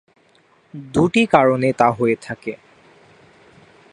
দু'টি কারণে তা হয়ে থাকে।